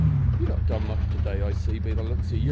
You've not done much to day, I see, by the looks of ye."